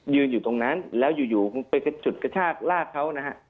อยู่ตรงนั้นแล้วอยู่ไปกระฉุดกระชากลากเขานะฮะ